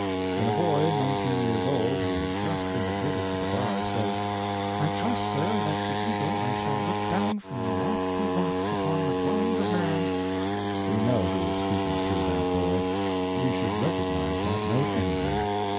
When a boy nineteen years old, who had just been admitted to the bar, says, "I trust, sir, like the Eagle, I shall look down from lofty rocks upon the dwellings of man," we know who is speaking through that boy; we should recognize that note anywhere.